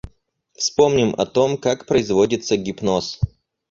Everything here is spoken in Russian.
Вспомним о том, как производится гипноз.